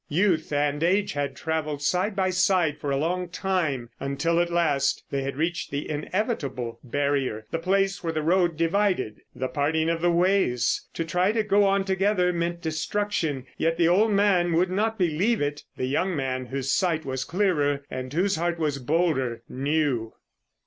Youth and age had travelled side by side for a long time, until at last they had reached the inevitable barrier, the place where the road divided. The parting of the ways. To try to go on together meant destruction, yet the old man would not believe it. The young man, whose sight was clearer and whose heart was bolder, knew.